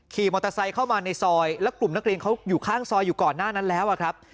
ขี่มอเตอร์ไซค์เข้ามาในซอยแล้วกลุ่มนักเรียนเขาอยู่ข้างซอยอยู่ก่อนหน้านั้นแล้วอะครับ